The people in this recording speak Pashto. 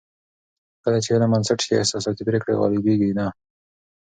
کله چې علم بنسټ شي، احساساتي پرېکړې غالبېږي نه.